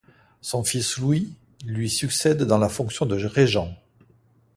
Son fils Louis lui succède dans la fonction de régent.